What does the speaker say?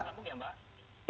sambung ya mbak